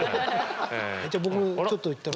じゃあ僕ちょっと言ったろ。